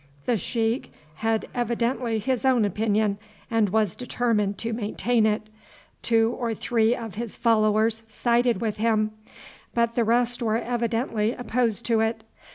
The sheik had evidently his own opinion and was determined to maintain it. Two or three of his followers sided with him, but the rest were evidently opposed to it.